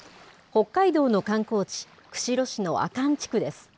北海道の観光地、釧路市の阿寒地区です。